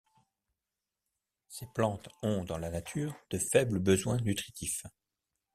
Ces plantes ont dans la nature de faibles besoins nutritifs.